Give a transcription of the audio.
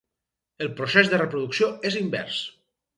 El procés de reproducció és invers.